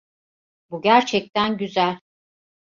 Bu gerçekten güzel.